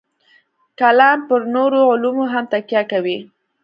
کلام پر نورو علومو هم تکیه کوي.